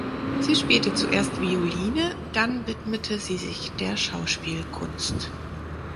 Sie spielte zuerst Violine, dann widmete sie sich der Schauspielkunst.